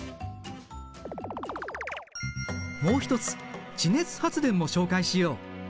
もう一つ地熱発電も紹介しよう。